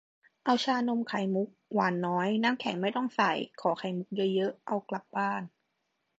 เอาชานมไข่มุก หวานน้อย น้ำแข็งไม่ต้องใส่ ขอไข่มุกเยอะ ๆ เอากลับบ้าน